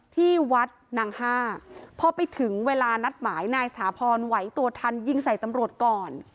ที่วัดนางห้าพอไปถึงเวลานัดหมายนายสถาพรไหวตัวทันยิงใส่ตำรวจก่อน